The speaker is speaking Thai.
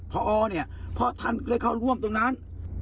พระออเพราะท่านเคยเข้าร่วมตรงนั้น